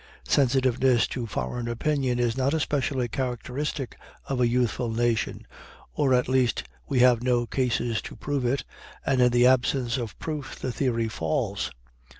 Sensitiveness to foreign opinion is not especially characteristic of a youthful nation, or, at least, we have no cases to prove it, and in the absence of proof the theory falls.